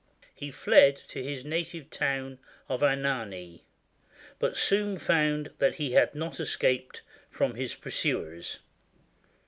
He filed to his native town of Anagni, but soon found that he had not escaped from his pursuers.